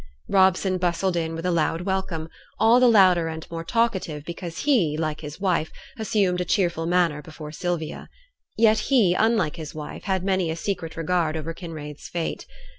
Robson bustled in with loud welcome; all the louder and more talkative because he, like his wife, assumed a cheerful manner before Sylvia. Yet he, unlike his wife, had many a secret regret over Kinraid's fate.